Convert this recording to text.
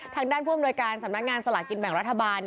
ทางด้านผู้อำนวยการสำนักงานสลากินแบ่งรัฐบาล